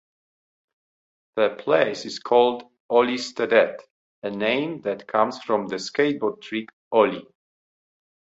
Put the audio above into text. The place is called "Olliestedet", a name that comes from the skateboard trick ollie.